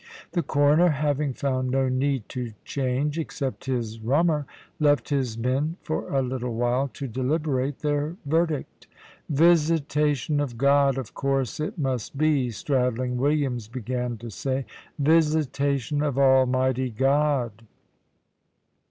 The Coroner, having found no need to charge (except his rummer), left his men for a little while to deliberate their verdict. "Visitation of God, of course it must be," Stradling Williams began to say; "visitation of Almighty God."